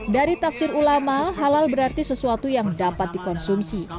dari tafsir ulama halal berarti sesuatu yang dapat dikonsumsi